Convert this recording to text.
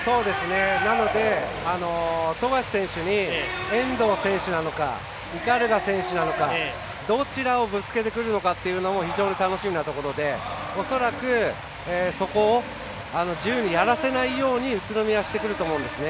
なので富樫選手に遠藤選手なのか、鵤選手なのかどちらをぶつけてくるのかというのが非常に楽しみなところでおそらく、そこを自由にやらせないように宇都宮はしてくると思うんですね。